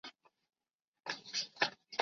释出多达九百一十个职缺